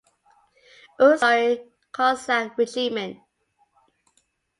Ussuri Cossack Regiment.